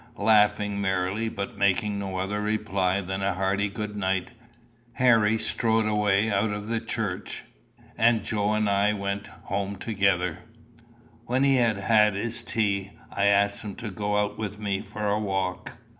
Laughing merrily, but making no other reply than a hearty good night, Harry strode away out of the church, and Joe and I went home together. When he had had his tea, I asked him to go out with me for a walk.